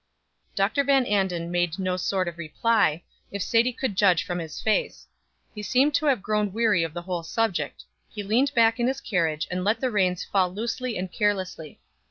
Dr. Van Anden made no sort of reply, if Sadie could judge from his face; he seemed to have grown weary of the whole subject; he leaned back in his carriage, and let the reins fall loosely and carelessly.